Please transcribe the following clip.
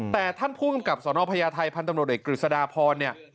แต่ท่านผู้กำกับสนพญาไทยพันธุ์ตำรวจเอกกฤษฎาพรเนี่ย